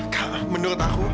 kak menurut aku